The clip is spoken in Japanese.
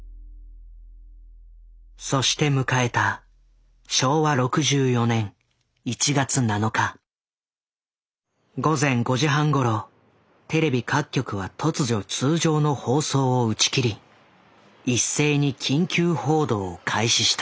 そして迎えた午前５時半ごろテレビ各局は突如通常の放送を打ち切り一斉に緊急報道を開始した。